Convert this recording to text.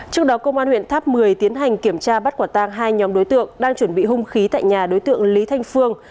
trước đó công an huyện tháp một mươi tiến hành kiểm tra bắt quả tang hai nhóm đối tượng đang chuẩn bị hung khí tại nhà đối tượng lý thanh phương